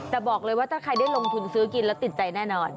ถ้าใครได้ลงทุนซื้อกินแล้วติดใจแน่นอน